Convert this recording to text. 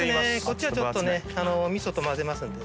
こっちはちょっとね味噌とまぜますんでね。